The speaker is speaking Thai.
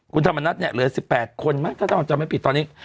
คุณธรรมนัฐเน่เหลือ๑๘คนใช่มะถ้าเจ้าพ่อไม่ผิดตอนนี้